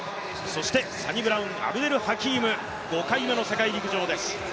そしてサニブラウン・アブデル・ハキーム、５回目の世界陸上です。